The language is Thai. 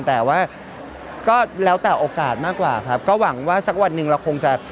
แต่ว่าก็แล้วแต่โอกาสมากกว่าครับก็หวังว่าสักวันหนึ่งเราคงจะ